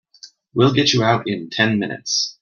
We'll get you out in ten minutes.